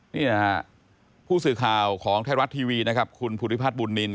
นี่นะครับผู้สื่อข่าวของไทยรัฐทีวีคุณผุริพัฒน์บุญนิน